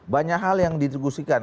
banyak hal yang didigusikan